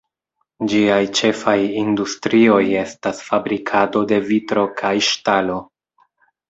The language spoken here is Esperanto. Ĝiaj ĉefaj industrioj estas fabrikado de vitro kaj ŝtalo.